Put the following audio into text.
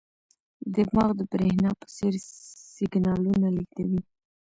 دماغ د برېښنا په څېر سیګنالونه لېږدوي.